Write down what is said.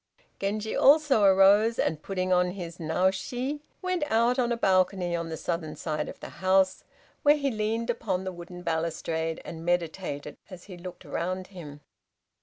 Genji also arose, and putting on his naoshi, went out on a balcony on the southern side of the house, where he leaned upon the wooden balustrade and meditated as he looked round him.